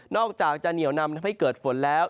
อกจากจะเหนียวนำทำให้เกิดฝนแล้ว